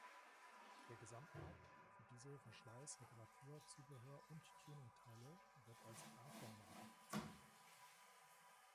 Der Gesamtmarkt für diese Verschleiß-, Reparatur-, Zubehör- und Tuningteile wird als „Aftermarket“ bezeichnet.